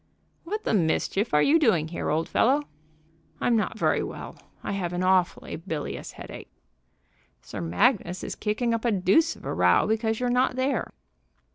"What the mischief are you doing here, old fellow?" "I'm not very well. I have an awfully bilious headache." "Sir Magnus is kicking up a deuce of a row because you're not there."